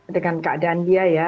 dengan keadaan dia ya